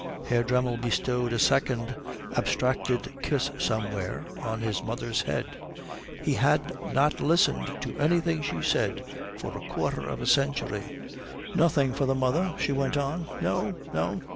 Herr Dremmel bestowed a second abstracted kiss somewhere on his mother's head. He had not listened to anything she said for a quarter of a century. "Nothing for the mother," she went on. "No, no.